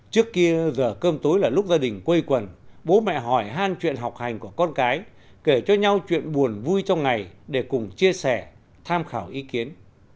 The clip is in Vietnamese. trước kia giờ cơm tối là lúc gia đình quây quần bố mẹ hỏi han chuyện học hành của con cái kể cho nhau chuyện buồn vui trong ngày để cùng chia sẻ tham khảo ý kiến